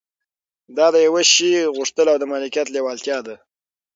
دا د يوه شي غوښتل او د مالکيت لېوالتيا ده.